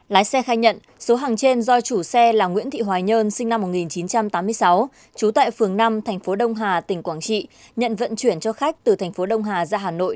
lái xe khai nhận số hàng trên do chủ xe là nguyễn thị hoài nhơn sinh năm một nghìn chín trăm tám mươi sáu trú tại phường năm thành phố đông hà tỉnh quảng trị nhận vận chuyển cho khách từ thành phố đông hà ra hà nội